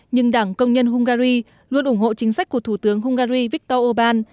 nhưng đảng công nhân hungary luôn ủng hộ chính sách của thủ tướng hungary viktor orbán